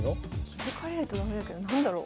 気付かれると駄目だけど何だろう？